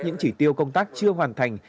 những chỉ tiêu công tác chưa hoàn thành